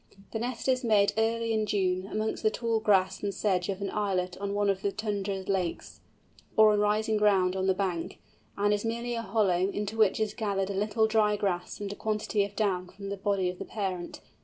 The nest is made early in June, amongst the tall grass and sedge of an islet on one of the tundra lakes, or on rising ground on the bank, and is merely a hollow, into which is gathered a little dry grass and a quantity of down from the body of the parent.